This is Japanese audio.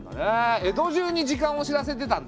江戸じゅうに時間を知らせてたんだ。